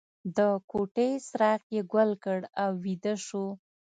د کوټې څراغ یې ګل کړ او ویده شو